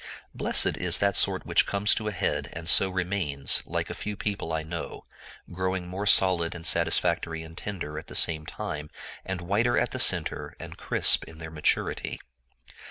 Blessed is that sort which comes to a head, and so remains, like a few people I know; growing more solid and satisfactory and tender at the same time, and whiter at the center, and crisp in their maturity.